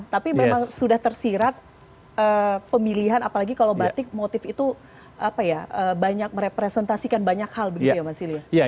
tapi memang sudah tersirat pemilihan apalagi kalau batik motif itu banyak merepresentasikan banyak hal begitu ya mas ili